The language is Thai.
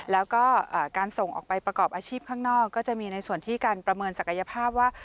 แล้วก็การส่งออกไปประกอบอาชีพข้างนอกก็จะมีในส่วนที่การประเมินศักยภาพว่า